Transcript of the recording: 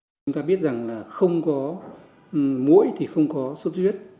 chúng ta biết rằng là không có mũi thì không có sốt huyết